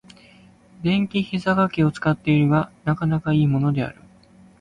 電気ひざかけを使っているが、なかなか良いものである。